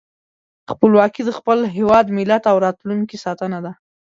خپلواکي د خپل هېواد، ملت او راتلونکي ساتنه ده.